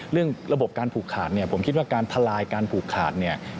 เรื่องระบบการผูกขาดผมคิดว่าการทะลายการผูกขาด